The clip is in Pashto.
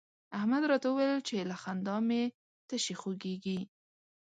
احمد راته وويل چې له خندا مې تشي خوږېږي.